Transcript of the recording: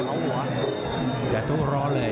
เดินสุดดี